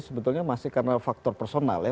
sebetulnya masih karena faktor personal ya